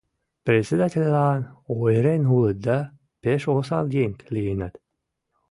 Председательлан ойырен улыт да, пеш осал еҥ лийынат.